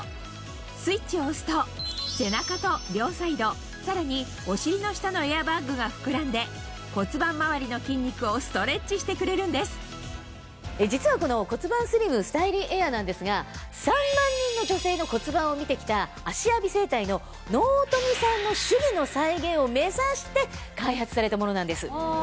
スイッチを押すと背中と両サイドさらにお尻の下のエアバッグが膨らんで実はこの骨盤スリムスタイリーエアーなんですが３万人の女性の骨盤を見てきた芦屋美整体の納富さんの手技の再現を目指して開発されたものなんです。